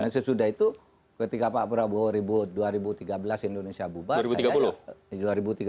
sesudah itu ketika pak prabowo ribut dua ribu tiga belas indonesia bubar